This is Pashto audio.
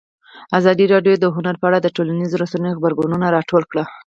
ازادي راډیو د هنر په اړه د ټولنیزو رسنیو غبرګونونه راټول کړي.